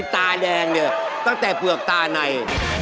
ตั้งแต่เปลือกตาใน